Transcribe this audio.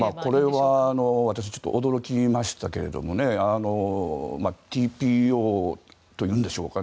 これはちょっと驚きましたけどＴＰＯというんでしょうか。